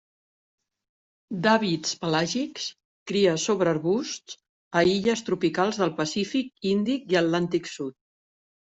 D'hàbits pelàgics, cria sobre arbusts a illes tropicals del Pacífic, Índic i Atlàntic Sud.